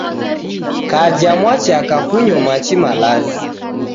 Kaja mwachaka kunyo machi malazi